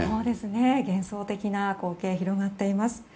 幻想的な光景が広がっています。